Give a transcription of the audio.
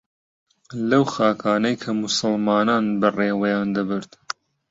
لەو خاکانەی کە موسڵمانان بەڕێوەیان دەبرد